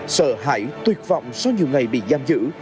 sợ hãi tuyệt vọng sau nhiều ngày bị giam giữ